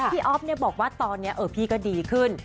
พี่ออฟบอกว่าตอนนี้เออพี่ก็ดีขึ้น